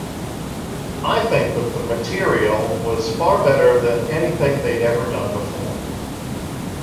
I think that the material was far better than anything they'd ever done before.